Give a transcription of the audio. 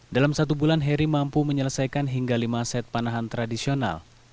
dalam satu bulan heri mampu menyelesaikan hingga lima set panahan tradisional